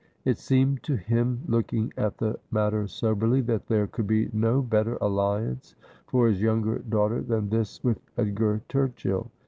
It seemed to him, looking at the matter soberly, that there could be no better alliance for his younger daughter than this with Edgar Turchill.